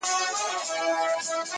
چې خپله یوه ښکلا ده